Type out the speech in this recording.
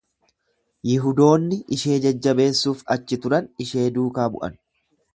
Yihudoonni ishee jajjabeessuuf achi turan ishee duukaa bu'an.